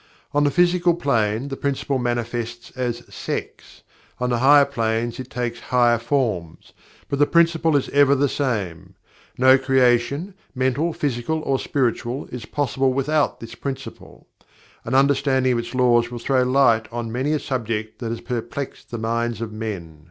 On the Physical Plane, the Principle manifests as SEX, on the higher planes it takes higher forms, but the Principle is ever the same. No creation, physical, mental or spiritual, is possible without this Principle. An understanding of its laws will throw light on many a subject that has perplexed the minds of men.